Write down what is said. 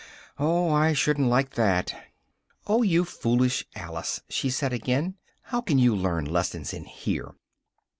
Oh, I shouldn't like that!" "Oh, you foolish Alice!" she said again, "how can you learn lessons in here?